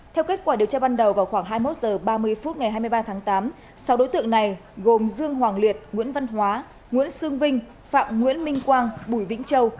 theo kết quả điều tra ban đầu vào khoảng hai mươi một h ba mươi phút ngày hai mươi ba tháng tám sáu đối tượng này gồm dương hoàng liệt nguyễn văn hóa nguyễn sương vinh phạm nguyễn minh quang bùi vĩnh châu